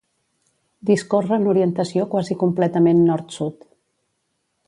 Discorre en orientació quasi completament nord-sud.